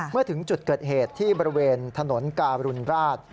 เมื่อถึงจุดเกิดเหตุที่บริเวณถนนการุณราช